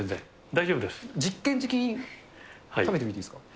大丈夫で実験的に食べてみていいですか？